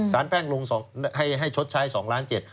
สารแป้งลงให้ชดใช้๒ล้าน๗